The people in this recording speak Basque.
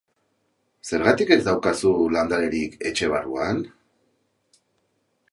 Zergatik ez daukazu landarerik etxe barruan?